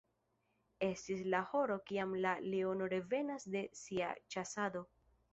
Estis la horo kiam la leono revenas de sia ĉasado.